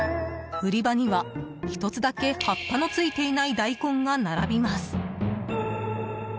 売り場には１つだけ葉っぱのついていない大根が並びます。